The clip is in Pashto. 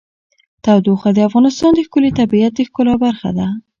تودوخه د افغانستان د ښکلي طبیعت د ښکلا برخه ده.